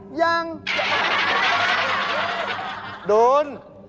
เหปาตะเกะเหปาตะเกะ